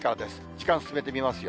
時間進めてみますよ。